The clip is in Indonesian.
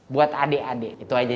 buat adik adik itu aja